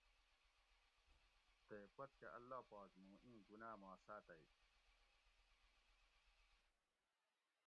تے پُت کہۤ اللّٰہ پاک موں ایں گناہ ما ساتئ